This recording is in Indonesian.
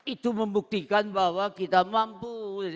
itu membuktikan bahwa kita mampu